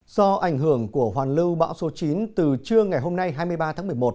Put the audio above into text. do ảnh hưởng của hoàn lưu bão số chín từ trưa ngày hôm nay hai mươi ba tháng một mươi một